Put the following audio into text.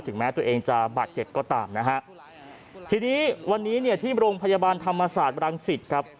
แม้ตัวเองจะบาดเจ็บก็ตามนะฮะทีนี้วันนี้เนี่ยที่โรงพยาบาลธรรมศาสตร์บรังสิตครับ